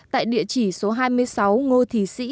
tại địa chỉ số hai mươi sáu ngô thị sĩ